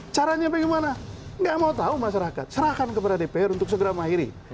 caranya bagaimana nggak mau tahu masyarakat serahkan kepada dpr untuk segera mengakhiri